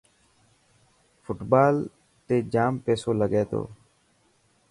فٽبال تي جام پيسو لگي تو.